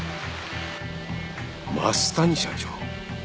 増谷社長！